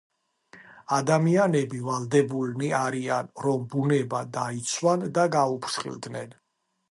ადამიანები ვალდებულნი არიან, რომ ბუნება დაიცვან და გაუფრთხილდნენ.